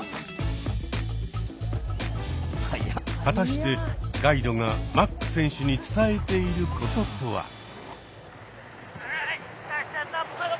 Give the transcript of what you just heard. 果たしてガイドがマック選手に伝えていることとは？